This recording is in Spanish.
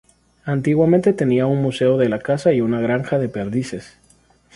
Antiguamente tenía un museo de la caza y una granja de perdices.